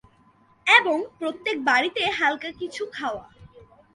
এবং প্রত্যেক বাড়িতেই হালকা কিছু খাওয়া।